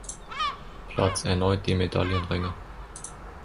Platz erneut die Medaillenränge.